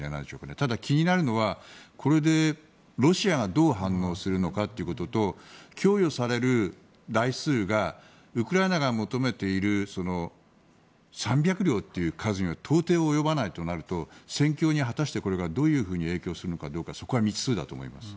ただ、気になるのはこれでロシアがどう反応するかということと供与される台数がウクライナが求めている３００両という数には到底及ばないとなると戦況に果たしてこれがどう影響するのかそこは未知数だと思います。